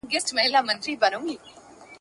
د خپل قام د سترګو توری وي د غلیم په مېنه اور وي ,